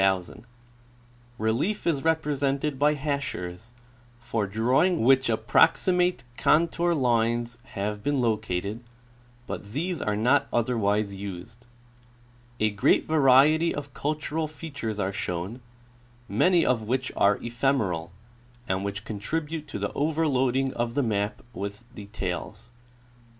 Relief is represented by hachures, for drawing which approxi mate contour lines have been located, but these are not otherwise used. A great variety of cultural features are shown, many of which are ephemeral, and which contribute to the overloading of the map with details.